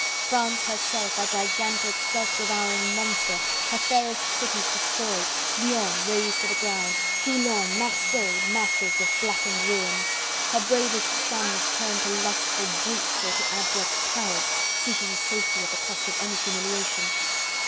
France herself a gigantic self devouring monster, her fairest cities destroyed, Lyons razed to the ground, Toulon, Marseilles, masses of blackened ruins, her bravest sons turned to lustful brutes or to abject cowards seeking safety at the cost of any humiliation.